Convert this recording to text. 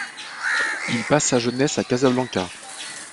Il passe sa jeunesse à Casablanca.